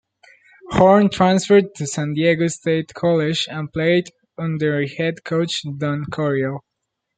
Horn transferred to San Diego State College and played under head coach Don Coryell.